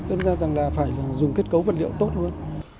tương đối là phải dùng kết cấu vật liệu tốt luôn